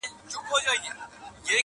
هر توري چي یې زما له شوګیری سره ژړله٫